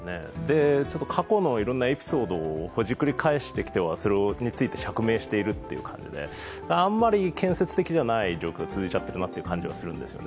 過去のいろんなエピソードをほじくり返してはそれについて釈明しているという感じであんまり建設的じゃない状況が続いちゃっているなと思うんです。